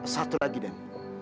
satu lagi dan